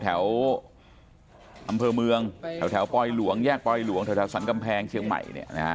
ที่ถูกรู้ดำเภอเมืองแถวปลอยหลวงแยกปลอยหลวงถังสวนกำแพงเชียงใหม่